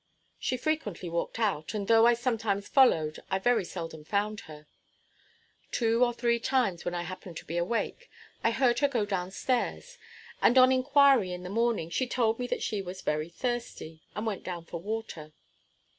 She frequently walked out, and though I sometimes followed, I very seldom found her. Two or three times, when I happened to be awake, I heard her go down stairs; and, on inquiry in the morning, she told me that she was very thirsty, and went down for water.